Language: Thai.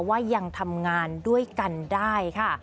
ว่ายังทำงานด้วยกันได้ค่ะ